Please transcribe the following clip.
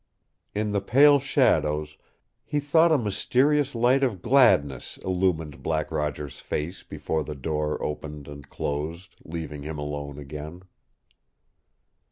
In the pale shadows he thought a mysterious light of gladness illumined Black Roger's face before the door opened and closed, leaving him alone again.